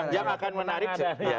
yang akan menarik